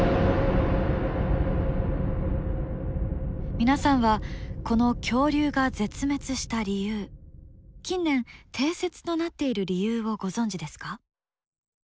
皆さんはこの恐竜が絶滅した理由近年定説となっている理由をご存じですか？